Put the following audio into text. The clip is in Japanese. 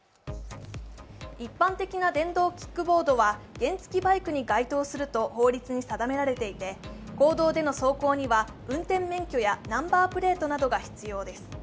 一般的な電動キックボードは、原付バイクに相当すると法律に定められていて公道での走行には運転免許やナンバープレートなどが必要です。